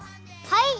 はい！